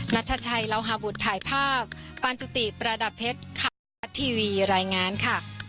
นัทชัยลาวหาบุธถ่ายภาพปานจุติประดับเพชรคัมภาคทีวีรายงานค่ะ